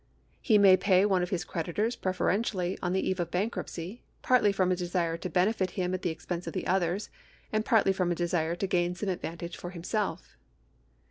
He may pay one of his creditors preferentially on the eve of bankruptcy, partly from a desire to benefit him at the expense of the others, and partly from a desire to gain some advantage for himself.